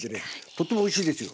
とってもおいしいですよ。